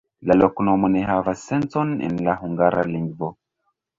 La loknomo ne havas sencon en la hungara lingvo.